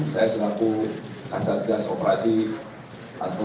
saya seraku kaca tiga sopra ini